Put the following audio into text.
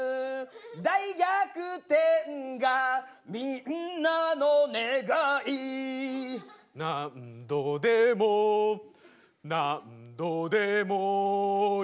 「大逆転がみんなの願い」「何度でも何度でも言うわ」